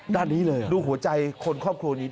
ด้านนี้เลยดูหัวใจคนครอบครัวนี้